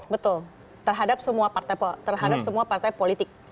betul terhadap semua partai politik